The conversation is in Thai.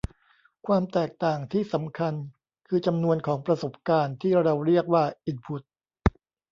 ความแตกต่างที่สำคัญ คือ จำนวนของประสบการณ์ ที่เราเรียกว่าอินพุท